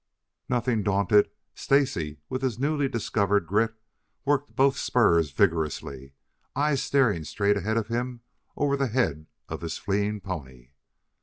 Nothing daunted, Stacy, with his newly discovered grit, worked both spurs vigorously, eyes staring straight ahead of him over the head of his fleeing pony.